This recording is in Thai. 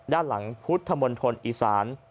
ด้านหลังพุทธมนตร์ธนตร์อีสาน